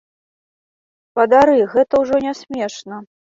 Спадары, гэта ўжо не смешна.